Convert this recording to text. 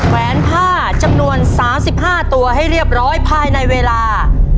แผนผ้าจำนวนสามสิบห้าตัวให้เรียบร้อยภายในเวลา